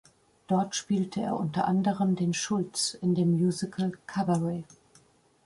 Dort spielte er unter anderem den "Schultz" in dem Musical Cabaret.